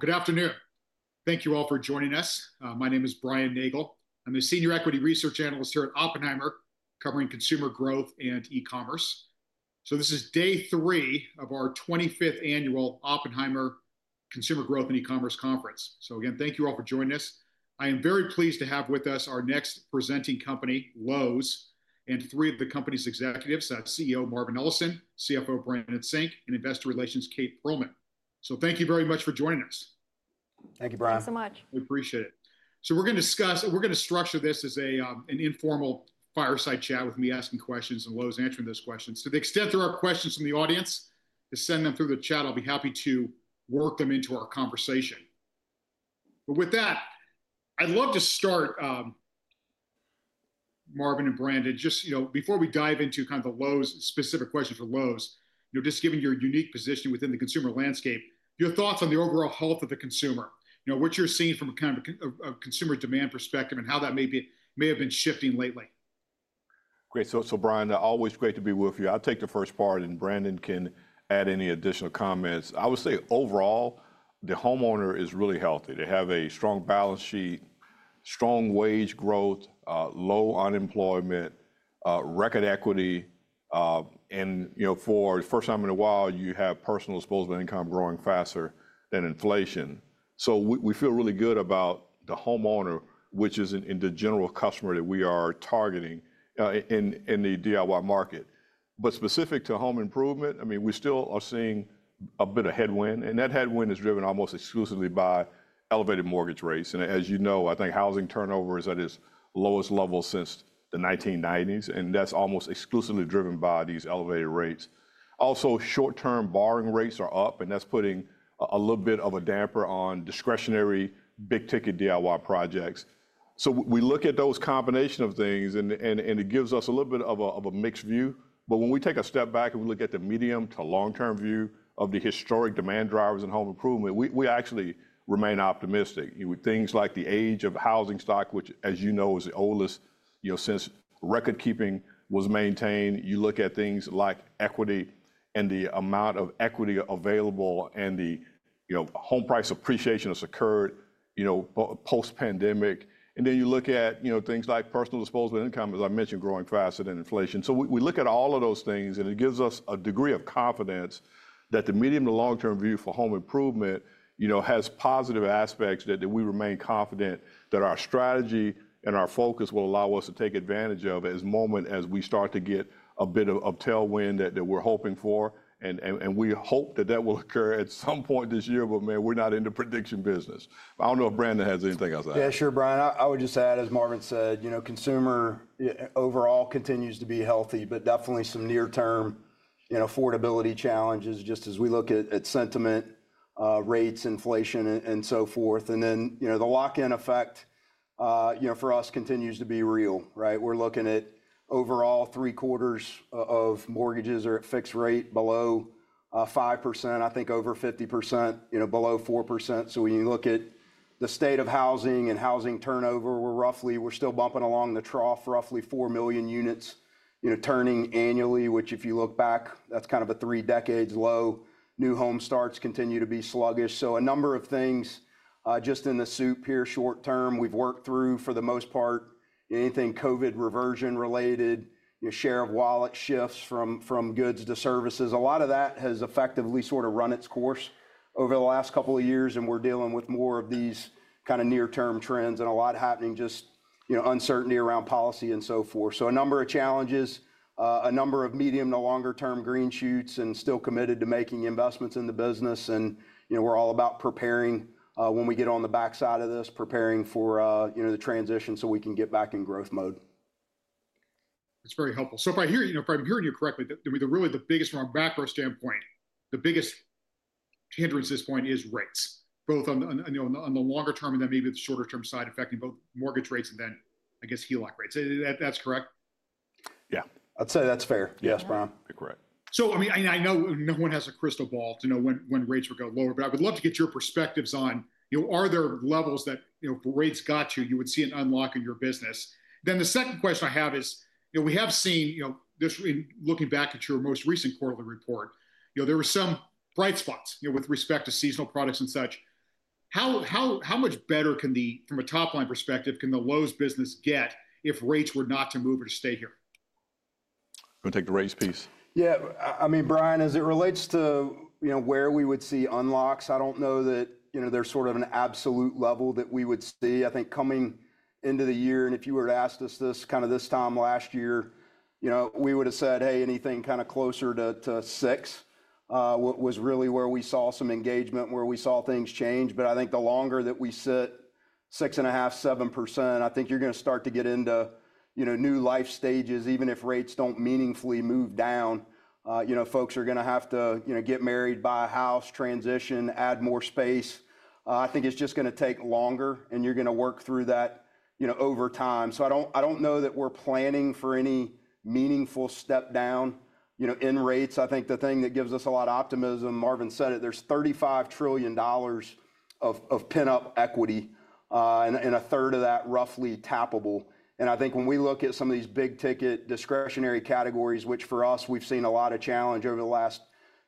Good afternoon. Thank you all for joining us. My name is Brian Nagel. I'm the Senior Equity Research Analyst here at Oppenheimer, covering consumer growth and e-commerce. This is day three of our 25th annual Oppenheimer Consumer Growth and E-commerce Conference. Again, thank you all for joining us. I am very pleased to have with us our next presenting company, Lowe's, and three of the company's executives: CEO Marvin Ellison, CFO Brandon Sink, and Investor Relations Kate Pearlman. Thank you very much for joining us. Thank you, Brian. Thanks so much. We appreciate it. We're going to discuss, we're going to structure this as an informal fireside chat with me asking questions and Lowe's answering those questions. To the extent there are questions from the audience, just send them through the chat. I'll be happy to work them into our conversation. With that, I'd love to start, Marvin and Brandon, just, you know, before we dive into kind of the Lowe's specific questions for Lowe's, you know, just given your unique position within the consumer landscape, your thoughts on the overall health of the consumer, you know, what you're seeing from kind of a consumer demand perspective and how that may have been shifting lately. Great. Brian, always great to be with you. I'll take the first part, and Brandon can add any additional comments. I would say overall, the homeowner is really healthy. They have a strong balance sheet, strong wage growth, low unemployment, record equity, and, you know, for the first time in a while, you have personal disposable income growing faster than inflation. We feel really good about the homeowner, which is the general customer that we are targeting in the DIY market. Specific to home improvement, I mean, we still are seeing a bit of headwind, and that headwind is driven almost exclusively by elevated mortgage rates. As you know, I think housing turnover is at its lowest level since the 1990s, and that is almost exclusively driven by these elevated rates. Also, short-term borrowing rates are up, and that's putting a little bit of a damper on discretionary big-ticket DIY projects. We look at those combinations of things, and it gives us a little bit of a mixed view. When we take a step back and we look at the medium to long-term view of the historic demand drivers in home improvement, we actually remain optimistic. Things like the age of housing stock, which, as you know, is the oldest, you know, since record keeping was maintained. You look at things like equity and the amount of equity available and the, you know, home price appreciation that's occurred, you know, post-pandemic. You look at, you know, things like personal disposable income, as I mentioned, growing faster than inflation. We look at all of those things, and it gives us a degree of confidence that the medium to long-term view for home improvement, you know, has positive aspects that we remain confident that our strategy and our focus will allow us to take advantage of it as moment as we start to get a bit of tailwind that we're hoping for. We hope that that will occur at some point this year, but man, we're not in the prediction business. I don't know if Brandon has anything else to add. Yeah, sure, Brian. I would just add, as Marvin said, you know, consumer overall continues to be healthy, but definitely some near-term, you know, affordability challenges just as we look at sentiment, rates, inflation, and so forth. You know, the lock-in effect, you know, for us continues to be real, right? We're looking at overall 3/4 of mortgages are at fixed rate below 5%, I think over 50%, you know, below 4%. When you look at the state of housing and housing turnover, we're roughly, we're still bumping along the trough, roughly 4 million units, you know, turning annually, which if you look back, that's kind of a three-decades low. New home starts continue to be sluggish. A number of things just in the soup here short-term, we've worked through for the most part, anything COVID reversion related, you know, share of wallet shifts from goods to services. A lot of that has effectively sort of run its course over the last couple of years, and we're dealing with more of these kind of near-term trends and a lot happening just, you know, uncertainty around policy and so forth. A number of challenges, a number of medium to longer-term green shoots and still committed to making investments in the business. You know, we're all about preparing when we get on the backside of this, preparing for, you know, the transition so we can get back in growth mode. That's very helpful. If I'm hearing you correctly, really the biggest from a macro standpoint, the biggest hindrance at this point is rates, both on the longer term and then maybe the shorter term side affecting both mortgage rates and then, I guess, HELOC rates. That's correct? Yeah, I'd say that's fair. Yes, Brian. Correct. I mean, I know no one has a crystal ball to know when rates are going to lower, but I would love to get your perspectives on, you know, are there levels that, you know, if rates got you, you would see an unlock in your business? The second question I have is, you know, we have seen, you know, this in looking back at your most recent quarterly report, you know, there were some bright spots, you know, with respect to seasonal products and such. How much better can the, from a top-line perspective, can the Lowe's business get if rates were not to move or to stay here? I'm going to take the rates piece. Yeah. I mean, Brian, as it relates to, you know, where we would see unlocks, I do not know that, you know, there is sort of an absolute level that we would see. I think coming into the year, and if you were to ask us this kind of this time last year, you know, we would have said, hey, anything kind of closer to six was really where we saw some engagement, where we saw things change. I think the longer that we sit six and a half, 7%, I think you are going to start to get into, you know, new life stages, even if rates do not meaningfully move down. You know, folks are going to have to, you know, get married, buy a house, transition, add more space. I think it is just going to take longer, and you are going to work through that, you know, over time. I don't know that we're planning for any meaningful step down, you know, in rates. I think the thing that gives us a lot of optimism, Marvin said it, there's $35 trillion of pin-up equity and a third of that roughly tappable. I think when we look at some of these big-ticket discretionary categories, which for us, we've seen a lot of challenge over the last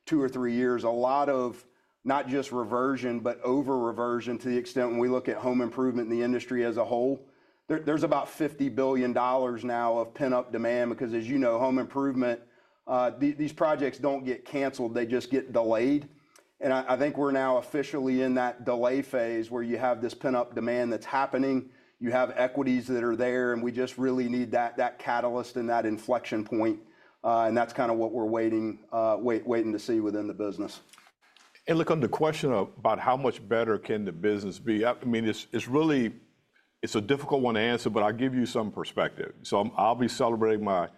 two or three years, a lot of not just reversion, but over-reversion to the extent when we look at home improvement in the industry as a whole, there's about $50 billion now of pin-up demand because, as you know, home improvement, these projects don't get canceled, they just get delayed. I think we're now officially in that delay phase where you have this pin-up demand that's happening, you have equities that are there, and we just really need that catalyst and that inflection point. That's kind of what we're waiting to see within the business. Look, on the question about how much better can the business be, I mean, it's really, it's a difficult one to answer, but I'll give you some perspective. I'll be celebrating my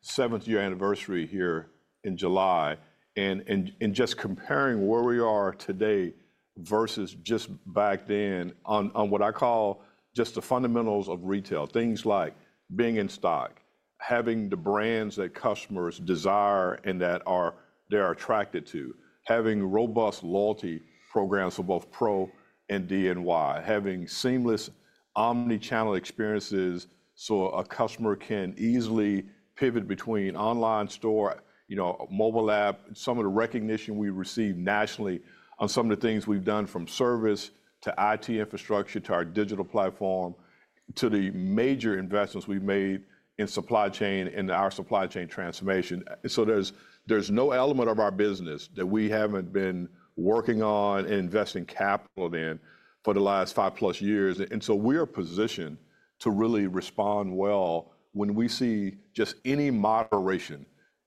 seventh year anniversary here in July and just comparing where we are today versus just back then on what I call just the fundamentals of retail, things like being in stock, having the brands that customers desire and that they are attracted to, having robust loyalty programs for both Pro and DNY, having seamless omnichannel experiences so a customer can easily pivot between online store, you know, mobile app, some of the recognition we've received nationally on some of the things we've done from service to IT infrastructure to our digital platform to the major investments we've made in supply chain and our supply chain transformation. There is no element of our business that we have not been working on and investing capital in for the last 5+ years. We are positioned to really respond well when we see just any moderation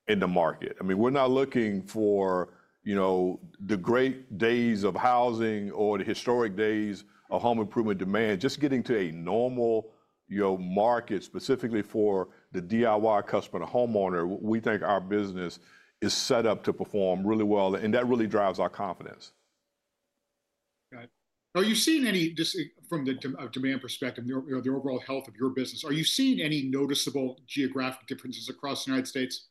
in the market. I mean, we are not looking for, you know, the great days of housing or the historic days of home improvement demand, just getting to a normal, you know, market specifically for the DIY customer, the homeowner. We think our business is set up to perform really well, and that really drives our confidence. Got it. Are you seeing any, just from the demand perspective, you know, the overall health of your business, are you seeing any noticeable geographic differences across the United States?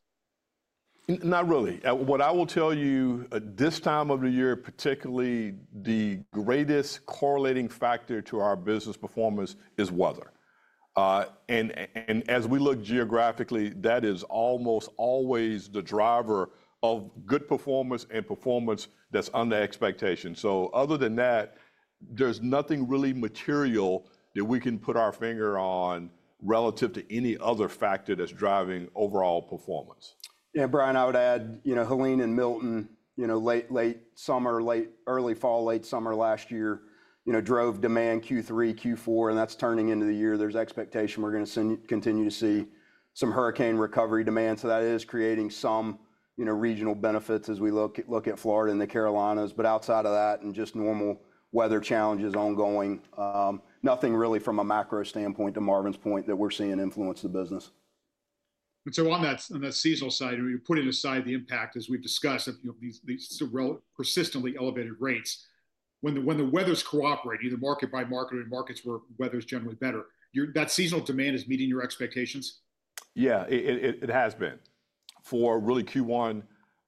Not really. What I will tell you this time of the year, particularly the greatest correlating factor to our business performance is weather. As we look geographically, that is almost always the driver of good performance and performance that's under expectation. Other than that, there's nothing really material that we can put our finger on relative to any other factor that's driving overall performance. Yeah, Brian, I would add, you know, Helene and Milton, you know, late summer, late early fall, late summer last year, you know, drove demand Q3, Q4, and that's turning into the year. There's expectation we're going to continue to see some hurricane recovery demand. That is creating some, you know, regional benefits as we look at Florida and the Carolinas. Outside of that and just normal weather challenges ongoing, nothing really from a macro standpoint to Marvin's point that we're seeing influence the business. On that seasonal side, you're putting aside the impact as we've discussed, you know, these persistently elevated rates, when the weathers cooperate, either market by market or in markets where weather's generally better, that seasonal demand is meeting your expectations? Yeah, it has been for really Q1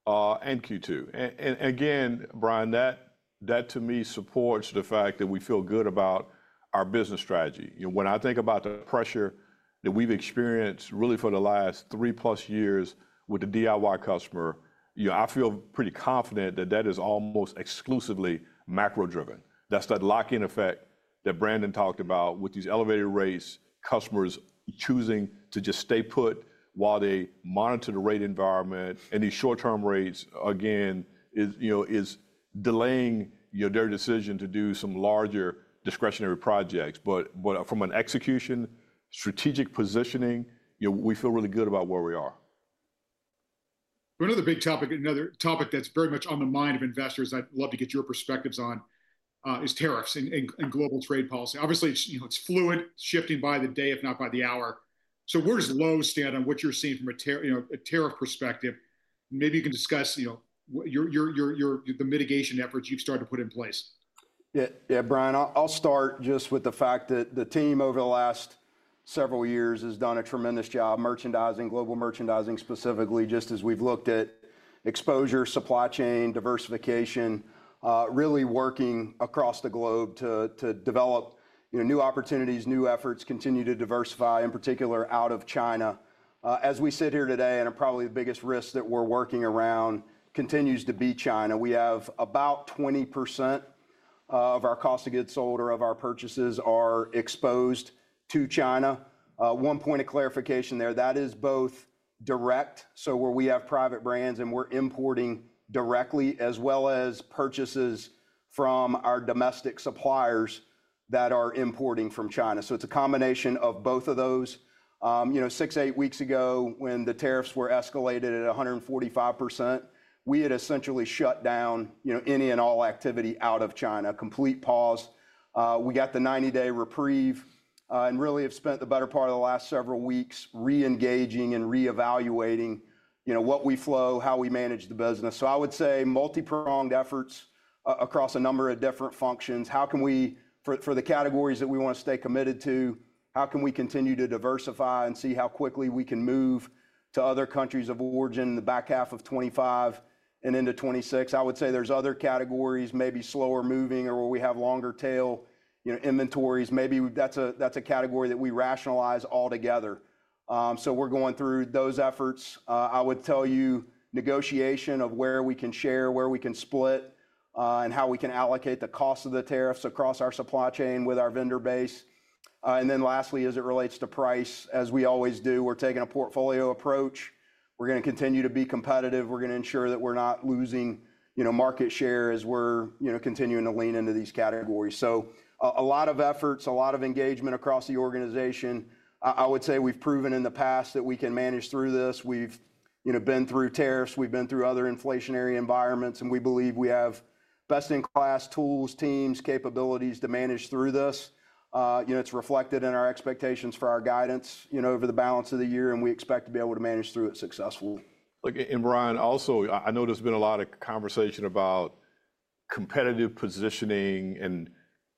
and Q2. Again, Brian, that to me supports the fact that we feel good about our business strategy. You know, when I think about the pressure that we've experienced really for the last 3+ years with the DIY customer, you know, I feel pretty confident that that is almost exclusively macro-driven. That's that lock-in effect that Brandon talked about with these elevated rates, customers choosing to just stay put while they monitor the rate environment. These short-term rates, again, you know, is delaying, you know, their decision to do some larger discretionary projects. From an execution, strategic positioning, you know, we feel really good about where we are. Another big topic, another topic that's very much on the mind of investors I'd love to get your perspectives on is tariffs and global trade policy. Obviously, it's fluid, shifting by the day, if not by the hour. Where does Lowe's stand on what you're seeing from a tariff perspective? Maybe you can discuss, you know, the mitigation efforts you've started to put in place. Yeah, Brian, I'll start just with the fact that the team over the last several years has done a tremendous job merchandising, global merchandising specifically, just as we've looked at exposure, supply chain, diversification, really working across the globe to develop, you know, new opportunities, new efforts, continue to diversify, in particular out of China. As we sit here today, and probably the biggest risk that we're working around continues to be China. We have about 20% of our cost of goods sold or of our purchases are exposed to China. One point of clarification there, that is both direct, so where we have private brands and we're importing directly, as well as purchases from our domestic suppliers that are importing from China. So it's a combination of both of those. You know, six, eight weeks ago when the tariffs were escalated at 145%, we had essentially shut down, you know, any and all activity out of China, complete pause. We got the 90-day reprieve and really have spent the better part of the last several weeks re-engaging and re-evaluating, you know, what we flow, how we manage the business. I would say multi-pronged efforts across a number of different functions. How can we, for the categories that we want to stay committed to, how can we continue to diversify and see how quickly we can move to other countries of origin in the back half of 2025 and into 2026? I would say there are other categories, maybe slower-moving or where we have longer tail, you know, inventories. Maybe that is a category that we rationalize altogether. We are going through those efforts. I would tell you negotiation of where we can share, where we can split, and how we can allocate the cost of the tariffs across our supply chain with our vendor base. Lastly, as it relates to price, as we always do, we're taking a portfolio approach. We're going to continue to be competitive. We're going to ensure that we're not losing, you know, market share as we're, you know, continuing to lean into these categories. A lot of efforts, a lot of engagement across the organization. I would say we've proven in the past that we can manage through this. We've, you know, been through tariffs, we've been through other inflationary environments, and we believe we have best-in-class tools, teams, capabilities to manage through this. You know, it's reflected in our expectations for our guidance, you know, over the balance of the year, and we expect to be able to manage through it successfully. Brian, also, I know there's been a lot of conversation about competitive positioning and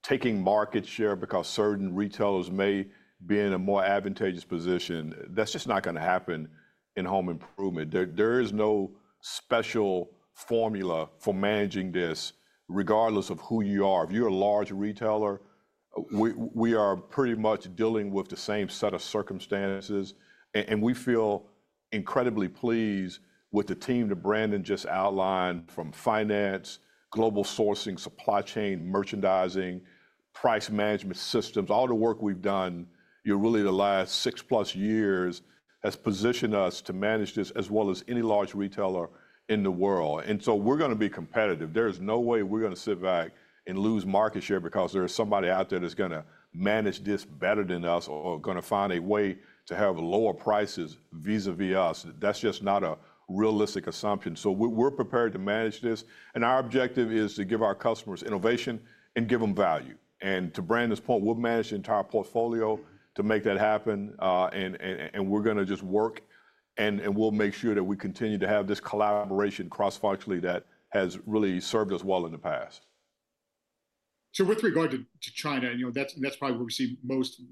taking market share because certain retailers may be in a more advantageous position. That is just not going to happen in home improvement. There is no special formula for managing this regardless of who you are. If you're a large retailer, we are pretty much dealing with the same set of circumstances. We feel incredibly pleased with the team that Brandon just outlined from finance, global sourcing, supply chain, merchandising, price management systems, all the work we've done, you know, really the last 6+ years has positioned us to manage this as well as any large retailer in the world. We are going to be competitive. There is no way we're going to sit back and lose market share because there is somebody out there that's going to manage this better than us or going to find a way to have lower prices vis-à-vis us. That's just not a realistic assumption. We are prepared to manage this. Our objective is to give our customers innovation and give them value. To Brandon's point, we'll manage the entire portfolio to make that happen. We are going to just work and we'll make sure that we continue to have this collaboration cross-functionally that has really served us well in the past. With regard to China, you know, that's probably where we see most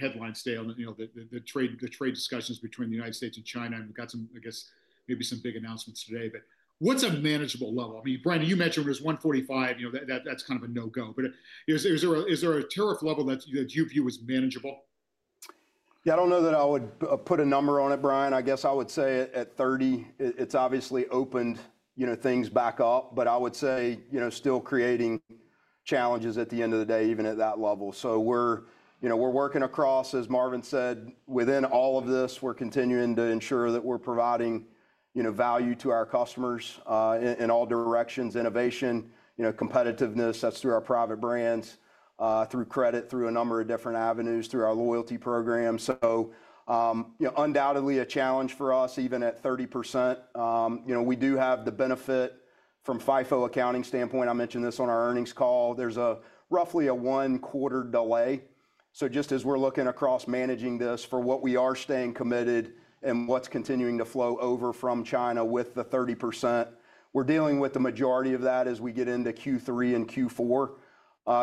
headlines today, you know, the trade discussions between the United States and China. We've got some, I guess, maybe some big announcements today. What's a manageable level? I mean, Brian, you mentioned there's 145, you know, that's kind of a no-go. Is there a tariff level that you view as manageable? Yeah, I don't know that I would put a number on it, Brian. I guess I would say at 30, it's obviously opened, you know, things back up. I would say, you know, still creating challenges at the end of the day, even at that level. We're, you know, we're working across, as Marvin said, within all of this, we're continuing to ensure that we're providing, you know, value to our customers in all directions, innovation, you know, competitiveness, that's through our private brands, through credit, through a number of different avenues, through our loyalty program. You know, undoubtedly a challenge for us, even at 30%. We do have the benefit from FIFO accounting standpoint. I mentioned this on our earnings call. There's roughly a one-quarter delay. Just as we're looking across managing this for what we are staying committed and what's continuing to flow over from China with the 30%, we're dealing with the majority of that as we get into Q3 and Q4.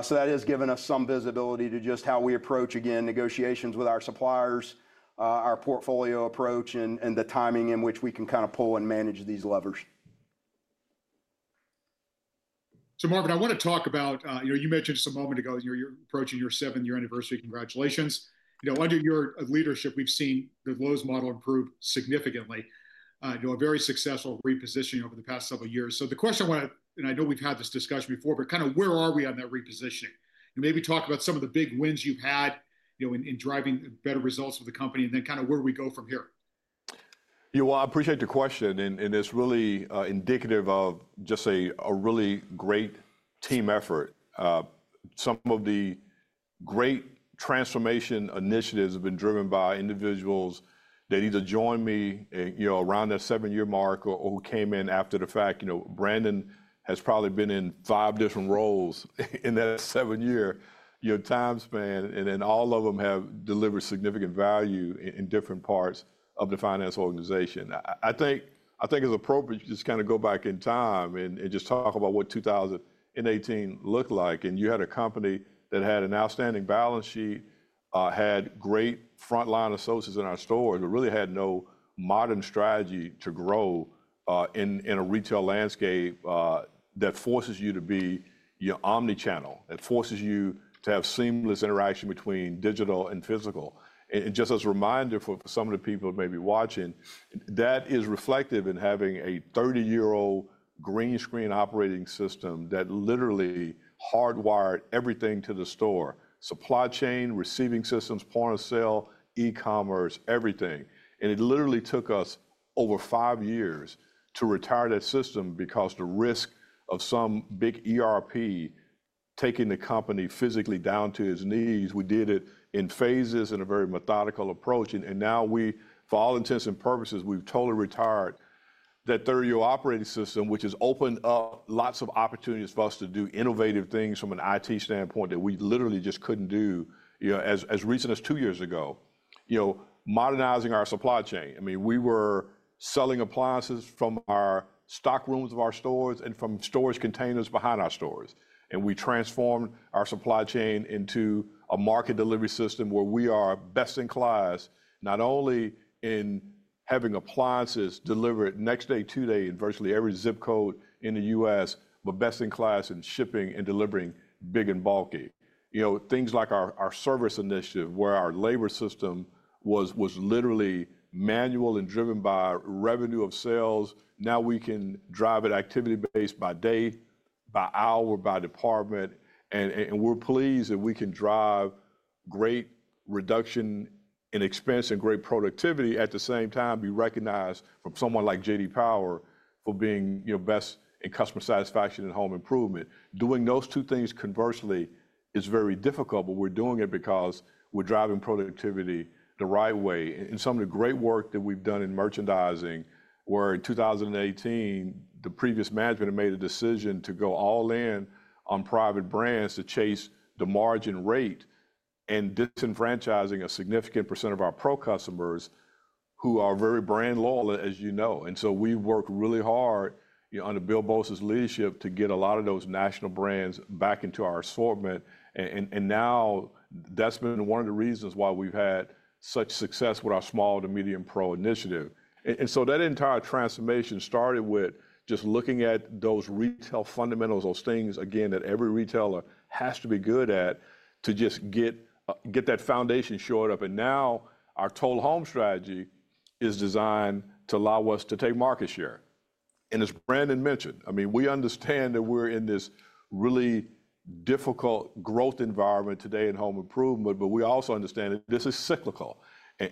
That has given us some visibility to just how we approach, again, negotiations with our suppliers, our portfolio approach, and the timing in which we can kind of pull and manage these levers. Marvin, I want to talk about, you know, you mentioned just a moment ago, you're approaching your seventh year anniversary. Congratulations. You know, under your leadership, we've seen the Lowe's model improve significantly, you know, a very successful repositioning over the past several years. The question I want to, and I know we've had this discussion before, but kind of where are we on that repositioning? Maybe talk about some of the big wins you've had, you know, in driving better results for the company and then kind of where we go from here. You know, I appreciate the question. It is really indicative of just a really great team effort. Some of the great transformation initiatives have been driven by individuals that either joined me, you know, around that seven-year mark or who came in after the fact. You know, Brandon has probably been in five different roles in that seven-year, you know, time span. All of them have delivered significant value in different parts of the finance organization. I think it is appropriate to just kind of go back in time and just talk about what 2018 looked like. You had a company that had an outstanding balance sheet, had great frontline associates in our stores, but really had no modern strategy to grow in a retail landscape that forces you to be omnichannel, that forces you to have seamless interaction between digital and physical. Just as a reminder for some of the people that may be watching, that is reflective in having a 30-year-old green screen operating system that literally hardwired everything to the store, supply chain, receiving systems, point of sale, e-commerce, everything. It literally took us over five years to retire that system because the risk of some big ERP taking the company physically down to its knees. We did it in phases and a very methodical approach. Now we, for all intents and purposes, we've totally retired that 30-year operating system, which has opened up lots of opportunities for us to do innovative things from an IT standpoint that we literally just couldn't do, you know, as recent as two years ago, you know, modernizing our supply chain. I mean, we were selling appliances from our stockrooms of our stores and from storage containers behind our stores. We transformed our supply chain into a market delivery system where we are best in class, not only in having appliances delivered next day, two day, and virtually every zip code in the U.S., but best in class in shipping and delivering big and bulky. You know, things like our service initiative where our labor system was literally manual and driven by revenue of sales. Now we can drive it activity-based by day, by hour, by department. We are pleased that we can drive great reduction in expense and great productivity at the same time be recognized from someone like J.D. Power for being, you know, best in customer satisfaction and home improvement. Doing those two things conversely is very difficult, but we are doing it because we are driving productivity the right way. Some of the great work that we've done in merchandising where in 2018, the previous management had made a decision to go all in on private brands to chase the margin rate and disenfranchising a significant % of our pro customers who are very brand loyal, as you know. We worked really hard, you know, under Bill Boltz's leadership to get a lot of those national brands back into our assortment. Now that's been one of the reasons why we've had such success with our small to medium pro initiative. That entire transformation started with just looking at those retail fundamentals, those things, again, that every retailer has to be good at to just get that foundation shored up. Now our total home strategy is designed to allow us to take market share. As Brandon mentioned, I mean, we understand that we're in this really difficult growth environment today in home improvement, but we also understand that this is cyclical.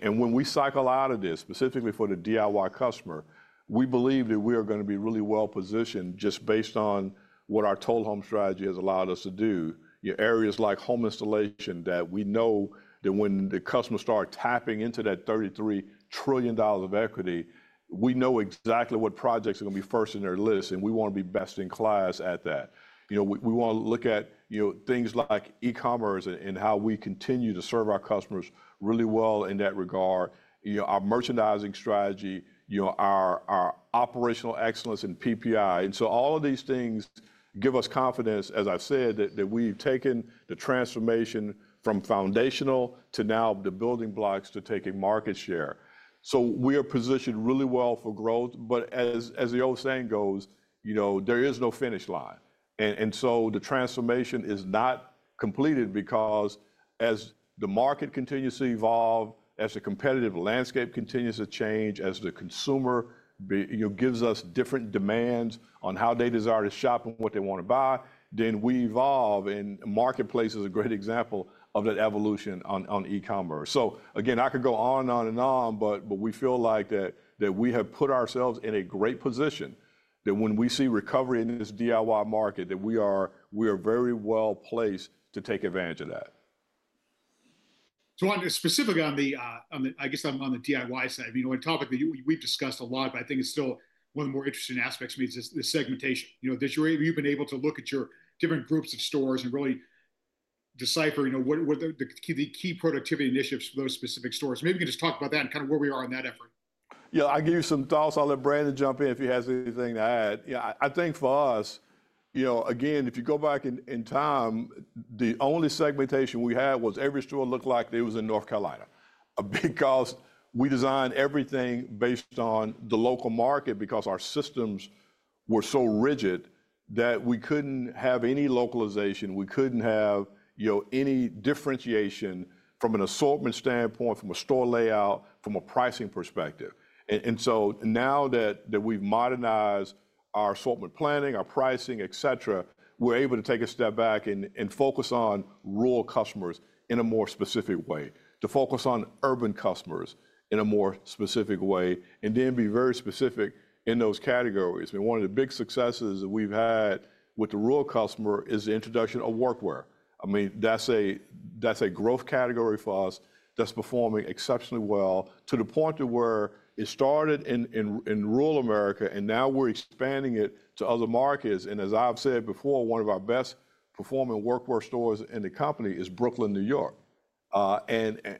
When we cycle out of this, specifically for the DIY customer, we believe that we are going to be really well positioned just based on what our total home strategy has allowed us to do, you know, areas like home installation that we know that when the customer starts tapping into that $33 trillion of equity, we know exactly what projects are going to be first in their list. We want to be best in class at that. You know, we want to look at, you know, things like e-commerce and how we continue to serve our customers really well in that regard. You know, our merchandising strategy, you know, our operational excellence in PPI. All of these things give us confidence, as I said, that we've taken the transformation from foundational to now the building blocks to take a market share. We are positioned really well for growth. As the old saying goes, you know, there is no finish line. The transformation is not completed because as the market continues to evolve, as the competitive landscape continues to change, as the consumer, you know, gives us different demands on how they desire to shop and what they want to buy, then we evolve. Marketplace is a great example of that evolution on e-commerce. Again, I could go on and on and on, but we feel like that we have put ourselves in a great position that when we see recovery in this DIY market, we are very well placed to take advantage of that. On specific on the, I guess on the DIY side, you know, a topic that we've discussed a lot, but I think it's still one of the more interesting aspects for me is the segmentation. You know, you've been able to look at your different groups of stores and really decipher, you know, the key productivity initiatives for those specific stores. Maybe you can just talk about that and kind of where we are in that effort. Yeah, I'll give you some thoughts. I'll let Brandon jump in if he has anything to add. Yeah, I think for us, you know, again, if you go back in time, the only segmentation we had was every store looked like it was in North Carolina because we designed everything based on the local market because our systems were so rigid that we couldn't have any localization. We couldn't have, you know, any differentiation from an assortment standpoint, from a store layout, from a pricing perspective. Now that we've modernized our assortment planning, our pricing, et cetera, we're able to take a step back and focus on rural customers in a more specific way, to focus on urban customers in a more specific way, and then be very specific in those categories. I mean, one of the big successes that we've had with the rural customer is the introduction of workwear. I mean, that's a growth category for us that's performing exceptionally well to the point to where it started in rural America, and now we're expanding it to other markets. As I've said before, one of our best-performing workwear stores in the company is Brooklyn, New York.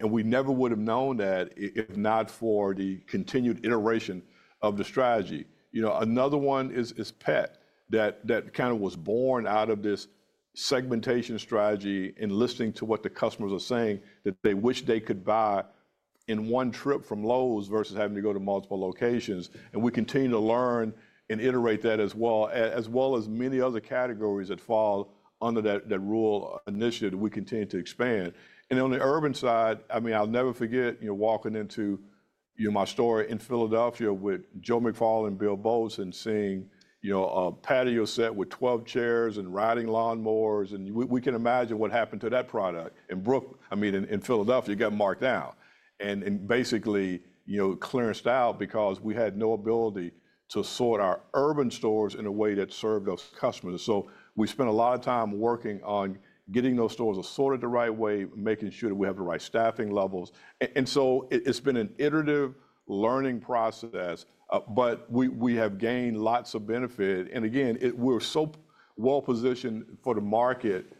We never would have known that if not for the continued iteration of the strategy. You know, another one is this Pet that kind of was born out of this segmentation strategy and listening to what the customers are saying that they wish they could buy in one trip from Lowe's versus having to go to multiple locations. We continue to learn and iterate that as well, as well as many other categories that fall under that rural initiative that we continue to expand. On the urban side, I mean, I'll never forget, you know, walking into, you know, my store in Philadelphia with Joe McFarland, Bill Boltz, and seeing, you know, a patio set with 12 chairs and riding lawnmowers. We can imagine what happened to that product in Brooklyn. I mean, in Philadelphia, it got marked out and basically, you know, clearanced out because we had no ability to sort our urban stores in a way that served those customers. We spent a lot of time working on getting those stores assorted the right way, making sure that we have the right staffing levels. It has been an iterative learning process, but we have gained lots of benefit. We're so well positioned for the market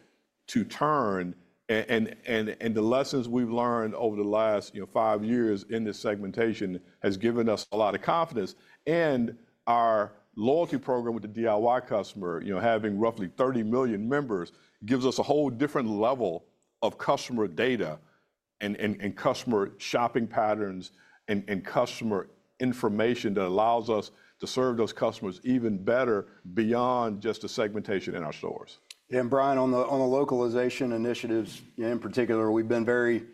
to turn. The lessons we've learned over the last, you know, five years in this segmentation have given us a lot of confidence. Our loyalty program with the DIY customer, you know, having roughly 30 million members, gives us a whole different level of customer data and customer shopping patterns and customer information that allows us to serve those customers even better beyond just the segmentation in our stores. Brian, on the localization initiatives in particular, we've been very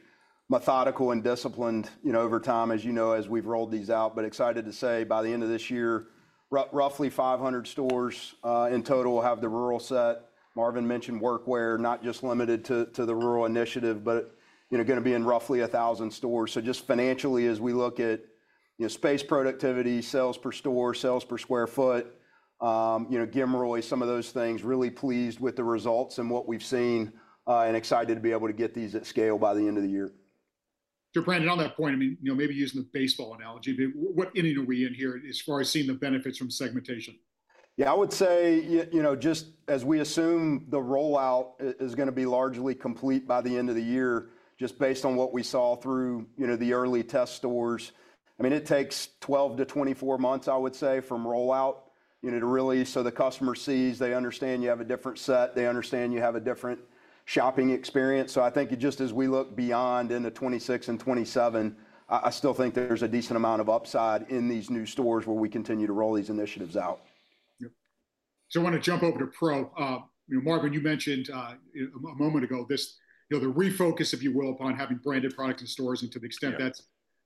methodical and disciplined, you know, over time, as you know, as we've rolled these out. Excited to say by the end of this year, roughly 500 stores in total will have the rural set. Marvin mentioned workwear, not just limited to the rural initiative, but, you know, going to be in roughly 1,000 stores. Just financially, as we look at, you know, space productivity, sales per store, sales per sq ft, you know, Gfeller, some of those things, really pleased with the results and what we've seen and excited to be able to get these at scale by the end of the year. Brandon, on that point, I mean, you know, maybe using the baseball analogy, but what inning are we in here as far as seeing the benefits from segmentation? Yeah, I would say, you know, just as we assume the rollout is going to be largely complete by the end of the year, just based on what we saw through, you know, the early test stores. I mean, it takes 12 months-24 months, I would say, from rollout, you know, to really so the customer sees, they understand you have a different set, they understand you have a different shopping experience. I think just as we look beyond into 2026 and 2027, I still think there's a decent amount of upside in these new stores where we continue to roll these initiatives out. I want to jump over to Pro. You know, Marvin, you mentioned a moment ago this, you know, the refocus, if you will, upon having branded products in stores and to the extent that's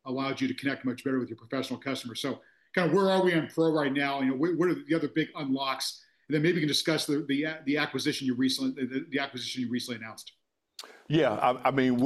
allowed you to connect much better with your professional customers. Kind of where are we on Pro right now? You know, what are the other big unlocks? Maybe we can discuss the acquisition you recently announced. Yeah, I mean,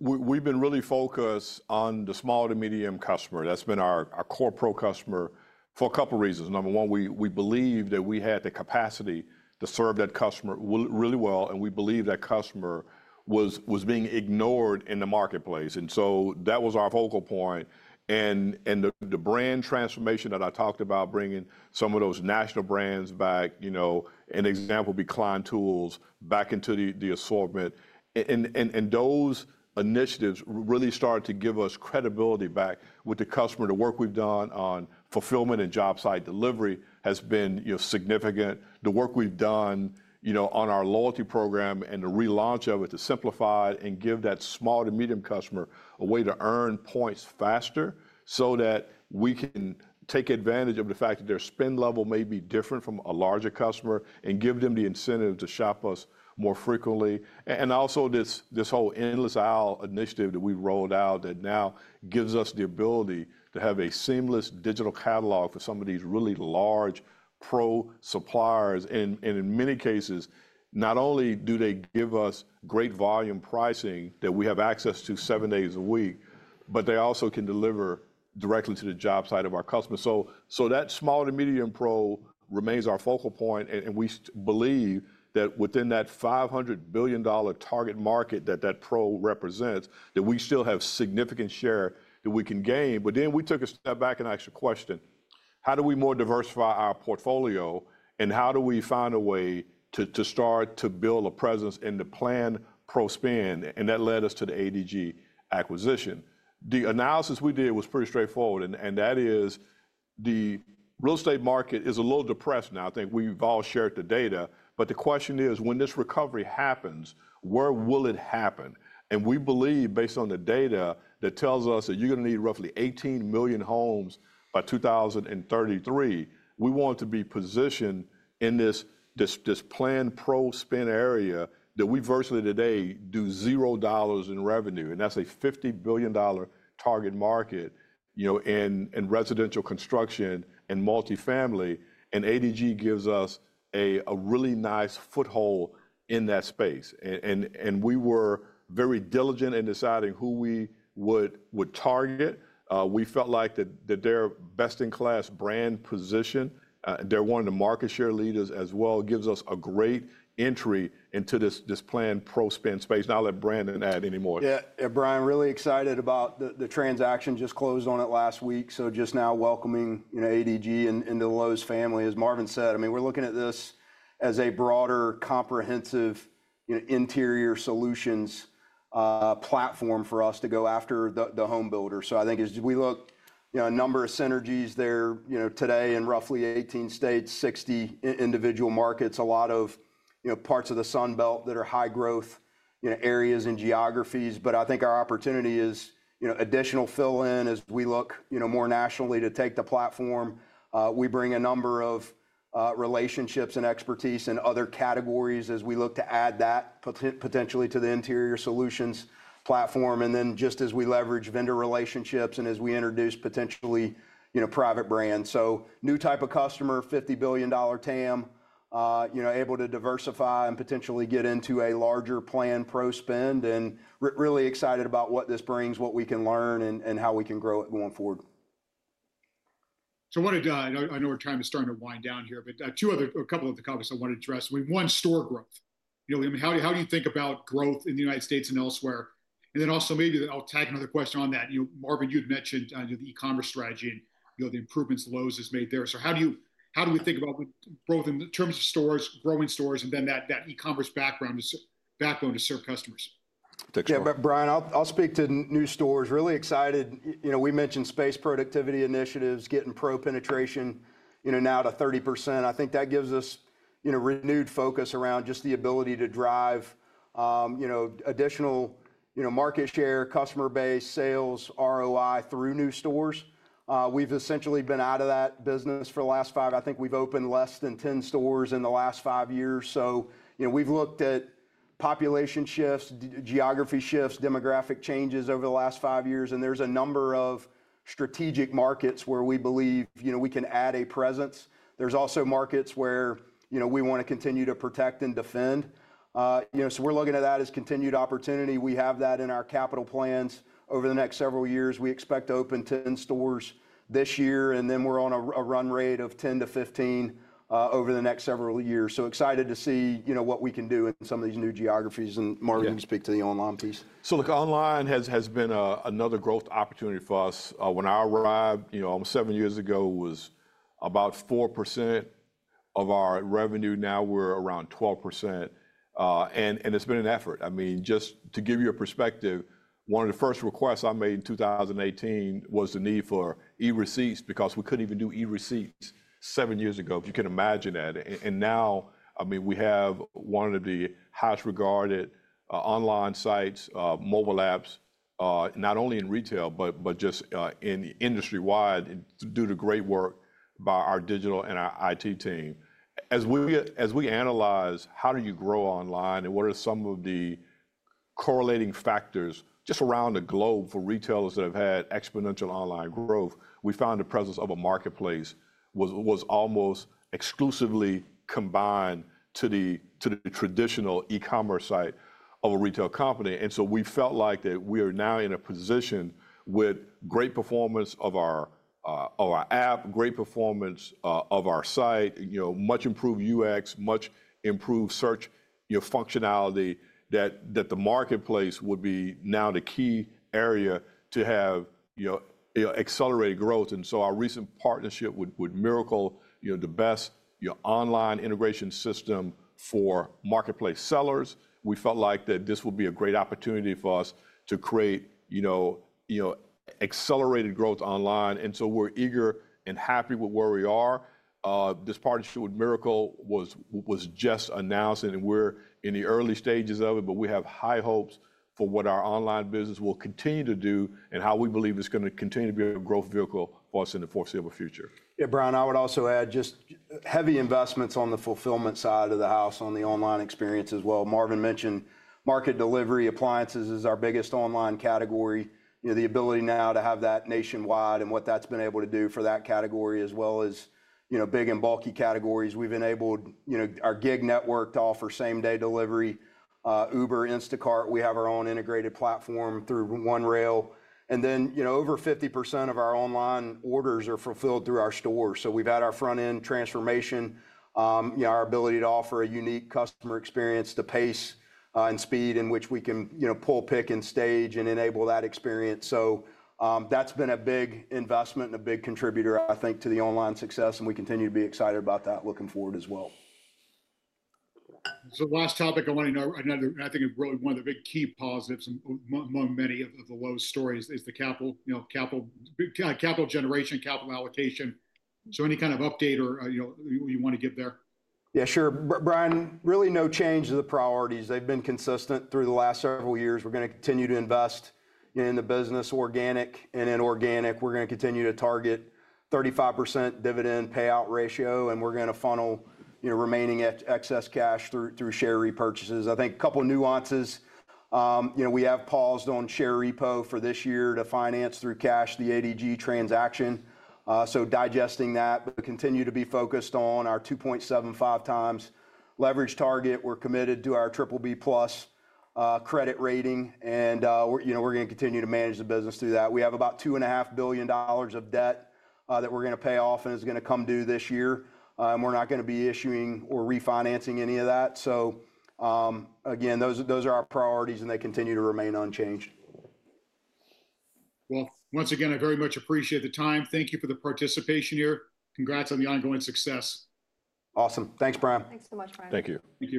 we've been really focused on the small to medium customer. That's been our core Pro customer for a couple of reasons. Number one, we believe that we had the capacity to serve that customer really well. We believe that customer was being ignored in the marketplace. That was our focal point. The brand transformation that I talked about, bringing some of those national brands back, you know, an example would be Klein Tools back into the assortment. Those initiatives really started to give us credibility back with the customer. The work we've done on fulfillment and job site delivery has been, you know, significant. The work we've done, you know, on our loyalty program and the relaunch of it to simplify and give that small to medium customer a way to earn points faster so that we can take advantage of the fact that their spend level may be different from a larger customer and give them the incentive to shop us more frequently. Also, this whole Endless Aisle initiative that we rolled out now gives us the ability to have a seamless digital catalog for some of these really large Pro suppliers. In many cases, not only do they give us great volume pricing that we have access to seven days a week, but they also can deliver directly to the job site of our customers. That small to medium Pro remains our focal point. We believe that within that $500 billion target market that Pro represents, we still have significant share that we can gain. We took a step back and asked a question, how do we more diversify our portfolio and how do we find a way to start to build a presence in the planned Pro spend? That led us to the ADG acquisition. The analysis we did was pretty straightforward. The real estate market is a little depressed now. I think we've all shared the data. The question is, when this recovery happens, where will it happen? We believe, based on the data that tells us that you're going to need roughly 18 million homes by 2033, we want to be positioned in this planned Pro spend area that we virtually today do $0 in revenue. That's a $50 billion target market, you know, in residential construction and multifamily. ADG gives us a really nice foothold in that space. We were very diligent in deciding who we would target. We felt like their best-in-class brand position, they're one of the market share leaders as well, gives us a great entry into this planned Pro spend space. I'll let Brandon add any more. Yeah, Brian, really excited about the transaction. Just closed on it last week. Just now welcoming, you know, ADG into the Lowe's family. As Marvin said, I mean, we're looking at this as a broader, comprehensive, you know, interior solutions platform for us to go after the homebuilders. I think as we look, you know, a number of synergies there, you know, today in roughly 18 states, 60 individual markets, a lot of, you know, parts of the Sunbelt that are high growth, you know, areas and geographies. I think our opportunity is, you know, additional fill-in as we look, you know, more nationally to take the platform. We bring a number of relationships and expertise in other categories as we look to add that potentially to the interior solutions platform. As we leverage vendor relationships and as we introduce potentially, you know, private brands. New type of customer, $50 billion TAM, you know, able to diversify and potentially get into a larger planned Pro spend. Really excited about what this brings, what we can learn, and how we can grow it going forward. I know our time is starting to wind down here, but two other, a couple of the comments I want to address. I mean, one, store growth. You know, I mean, how do you think about growth in the United States and elsewhere? And then also maybe I'll tag another question on that. You know, Marvin, you had mentioned the e-commerce strategy and, you know, the improvements Lowe's has made there. How do you, how do we think about growth in terms of stores, growing stores, and then that e-commerce background to serve customers? Yeah, Brian, I'll speak to new stores. Really excited. You know, we mentioned space productivity initiatives, getting Pro penetration, you know, now to 30%. I think that gives us, you know, renewed focus around just the ability to drive, you know, additional, you know, market share, customer base, sales, ROI through new stores. We've essentially been out of that business for the last five. I think we've opened less than 10 stores in the last five years. You know, we've looked at population shifts, geography shifts, demographic changes over the last five years. And there's a number of strategic markets where we believe, you know, we can add a presence. There's also markets where, you know, we want to continue to protect and defend. You know, we're looking at that as continued opportunity. We have that in our capital plans over the next several years. We expect to open 10 stores this year. We are on a run rate of 10-15 over the next several years. Excited to see, you know, what we can do in some of these new geographies. Marvin, you can speak to the online piece. Look, online has been another growth opportunity for us. When I arrived, you know, almost seven years ago, it was about 4% of our revenue. Now we're around 12%. It's been an effort. I mean, just to give you a perspective, one of the first requests I made in 2018 was the need for e-receipts because we couldn't even do e-receipts seven years ago, if you can imagine that. Now, I mean, we have one of the highest regarded online sites, mobile apps, not only in retail, but just industry-wide due to great work by our digital and our IT team. As we analyze how do you grow online and what are some of the correlating factors just around the globe for retailers that have had exponential online growth, we found the presence of a marketplace was almost exclusively combined to the traditional e-commerce site of a retail company. We felt like that we are now in a position with great performance of our app, great performance of our site, you know, much improved UX, much improved search, you know, functionality that the marketplace would be now the key area to have, you know, accelerated growth. Our recent partnership with Mirakl, you know, the best, you know, online integration system for marketplace sellers. We felt like that this would be a great opportunity for us to create, you know, accelerated growth online. We are eager and happy with where we are. This partnership with Mirakl was just announced and we're in the early stages of it, but we have high hopes for what our online business will continue to do and how we believe it's going to continue to be a growth vehicle for us in the foreseeable future. Yeah, Brian, I would also add just heavy investments on the fulfillment side of the house on the online experience as well. Marvin mentioned market delivery. Appliances is our biggest online category. You know, the ability now to have that nationwide and what that's been able to do for that category as well as, you know, big and bulky categories. We've enabled, you know, our gig network to offer same-day delivery. Uber, Instacart, we have our own integrated platform through OneRail. And then, you know, over 50% of our online orders are fulfilled through our stores. We've had our front-end transformation, you know, our ability to offer a unique customer experience to pace and speed in which we can, you know, pull, pick, and stage and enable that experience. That's been a big investment and a big contributor, I think, to the online success. We continue to be excited about that, looking forward as well. Last topic, I want to know, and I think really one of the big key positives among many of the Lowe's stories is the capital, you know, capital generation, capital allocation. Any kind of update or, you know, you want to give there? Yeah, sure. Brian, really no change to the priorities. They've been consistent through the last several years. We're going to continue to invest, you know, in the business organic and inorganic. We're going to continue to target 35% dividend payout ratio. We're going to funnel, you know, remaining excess cash through share repurchases. I think a couple of nuances. You know, we have paused on share repo for this year to finance through cash the ADG transaction. Digesting that, but continue to be focused on our 2.75x leverage target. We're committed to our BBB+ credit rating. You know, we're going to continue to manage the business through that. We have about $2.5 billion of debt that we're going to pay off and is going to come due this year. We're not going to be issuing or refinancing any of that. Again, those are our priorities and they continue to remain unchanged. Once again, I very much appreciate the time. Thank you for the participation here. Congrats on the ongoing success. Awesome. Thanks, Brian. Thanks so much, Brian. Thank you.